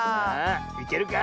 いけるか？